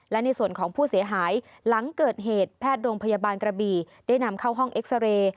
และในส่วนของผู้เสียหายหลังเกิดเหตุแพทย์โรงพยาบาลกระบี่ได้นำเข้าห้องเอ็กซาเรย์